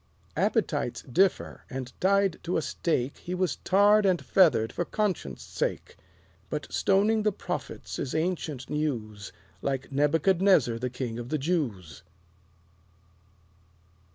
Appetites differ; and tied to a stake He was tarred and feathered for Conscience' Sake. But stoning the prophets is ancient news, Like Nebuchadnezzar the King of the Jews.